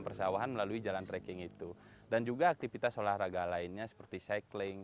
persawahan melalui jalan trekking itu dan juga aktivitas olahraga lainnya seperti cycling